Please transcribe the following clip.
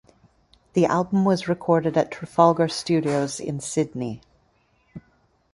The album was recorded at Trafalgar Studios in Sydney.